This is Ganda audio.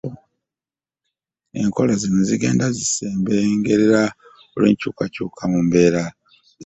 Enkola zino zigenda ziseebengerera olw’enkyukakyuka mu mbeera z’abantu.